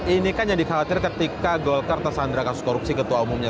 ini kan yang dikhawatir ketika golkar tersandra kasus korupsi ketua umumnya